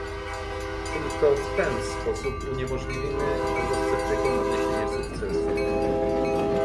Tylko w ten sposób uniemożliwimy eurosceptykom odniesienie sukcesu